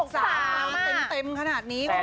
จริง๖๓๓๓เต็มขนาดนี้โอ้โฮ